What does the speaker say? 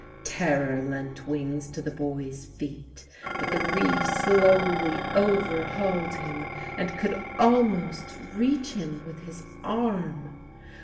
Terror lent wings to the boy's feet but the reeve slowly overhauled him and could almost reach him with his arm.